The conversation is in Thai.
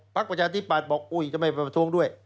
ภักดิ์ประชาธิปัตย์บอกจะไม่ประท้วงด้วย